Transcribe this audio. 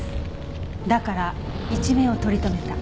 だから一命を取り留めた。